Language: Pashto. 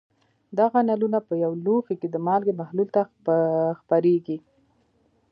دغه نلونه په یو لوښي کې د مالګې محلول ته خپرېږي.